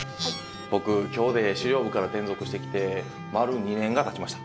僕今日で資料部から転属してきて丸２年が経ちました。